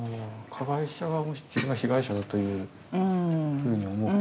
加害者側も自分が被害者だというふうに思う？